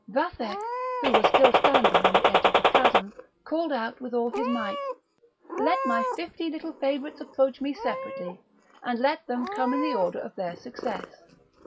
Vathek, who was still standing on the edge of the chasm, called out, with all his might: "Let my fifty little favourites approach me separately, and let them come in the order of their success.